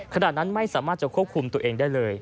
ขณะนั้นไม่สามารถจะควบคุมตัวเองได้เลย